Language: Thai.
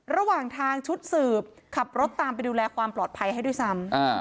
ระหว่างทางชุดสืบขับรถตามไปดูแลความปลอดภัยให้ด้วยซ้ำ